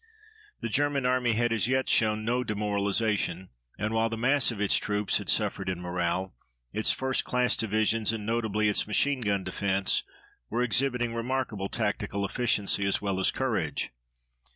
The German Army had as yet shown no demoralization, and, while the mass of its troops had suffered in morale, its first class divisions, and notably its machine gun defense, were exhibiting remarkable tactical efficiency as well as courage.